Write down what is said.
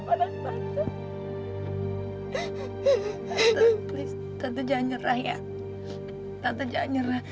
tante please tante jangan nyerah ya tante jangan nyerah